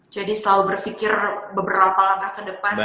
jadi selalu berfikir beberapa langkah ke depan